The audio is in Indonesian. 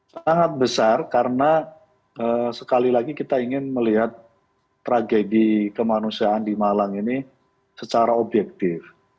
sangat besar karena sekali lagi kita ingin melihat tragedi kemanusiaan di malang ini secara objektif